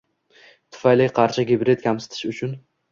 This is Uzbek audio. Tufayli qarshi gibrid kamsitish uchun